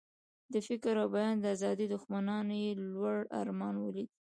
د فکر او بیان د آزادۍ دښمنانو یې لوړ ارمان ولید.